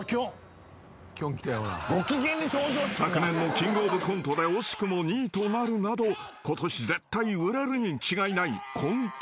［昨年のキングオブコントで惜しくも２位となるなどことし絶対売れるに違いないコント師］